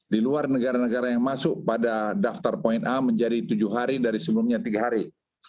di luar negara negara yang masuk pada daftar poin a menjadi tujuh hari dari sebelumnya tiga hari